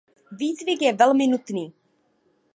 Výcvik je velmi nutný.